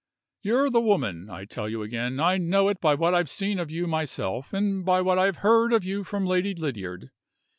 You're the woman, I tell you again. I know it by what I've seen of you myself, and by what I have heard of you from Lady Lydiard.